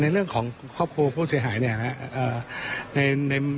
เรื่องของครอบครัวผู้เสียหายเนี่ยนะครับ